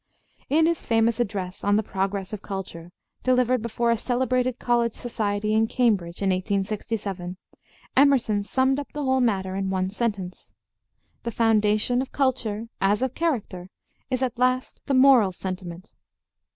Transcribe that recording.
In his famous address on "The Progress of Culture," delivered before a celebrated college society in Cambridge in 1867, Emerson summed up the whole matter in one sentence: "The foundation of culture, as of character, is at last the moral sentiment."